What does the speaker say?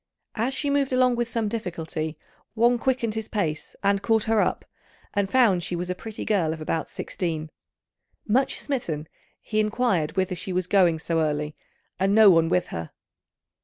As she moved along with some difficulty, Wang quickened his pace and caught her up, and found she was a pretty girl of about sixteen. Much smitten he inquired whither she was going so early, and no one with her.